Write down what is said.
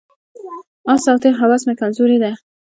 آس او تیغ هوس مې کمزوري ده.